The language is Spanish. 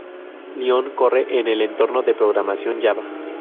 Lion corre en el entorno de programación Java.